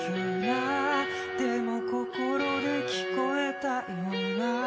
「でも心で聞こえたような」